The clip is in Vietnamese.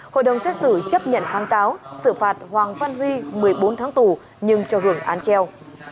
hội đồng xét xử chấp nhận kháng cáo xử phạt hoàng văn huy một mươi bốn tháng tù nhưng cho hưởng án treo